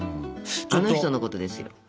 あの人のことですよ。